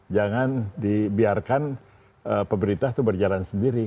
jangan dibiarkan pemerintah itu berjalan sendiri